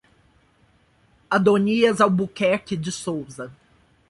Adonias Albuquerque de Souza